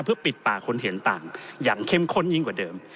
เพื่อปิดปากคนเห็นต่างอย่างเข้มข้นยิ่งกว่าเดิม